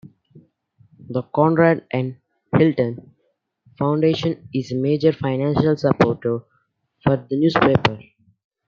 The Conrad N. Hilton Foundation is a major financial supporter of the newspaper.